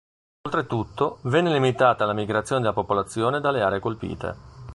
Oltretutto, venne limitata la migrazione della popolazione dalle aree colpite.